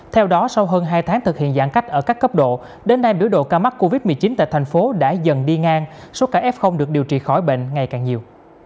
theo đó sau hơn hai tháng thực hiện giãn cách ở các cấp độ đến nay biểu độ ca mắc covid một mươi chín tại thành phố đã dần đi ngang số cả f được điều trị khỏi bệnh ngày càng nhiều